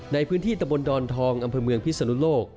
ในพื้นที่ตะบนดอนทองอำเภอเมืองพิศนุโลก